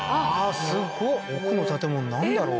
すご奥の建物なんだろう？